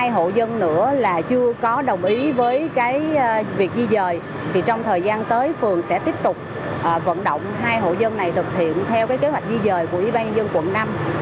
nếu hai hộ dân nữa là chưa có đồng ý với việc di dời thì trong thời gian tới phường sẽ tiếp tục vận động hai hộ dân này thực hiện theo kế hoạch di dời của ybnd quận năm